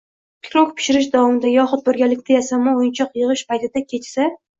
pirog pishirish davomida yohud birgalikda yasama o‘yinchoq yig‘ish paytida kechsa